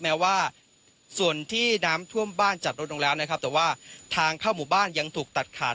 แม้ว่าส่วนที่น้ำท่วมบ้านจัดลดลงแล้วนะครับแต่ว่าทางเข้าหมู่บ้านยังถูกตัดขาด